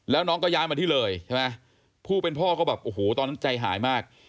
แล้วน้องก็ย้านมาที่เรยผู้เป็นพ่อก็ตอนนั้นใจหายมาก